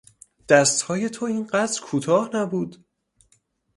دستهای تو این قدر کوتاه نبود.